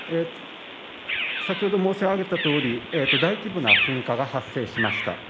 先ほど申し上げた通り大規模な噴火が発生しました。